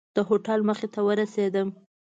د هوټل مخې ته ورسېدم.